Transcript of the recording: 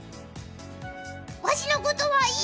わしのことはいい！